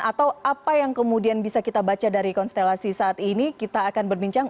atau apa yang kemudian bisa kita baca dari konstelasi saat ini kita akan berbincang